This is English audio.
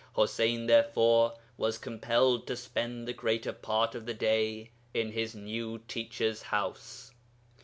Ḥuseyn, therefore, was compelled to spend the greater part of the day in his new teacher's house.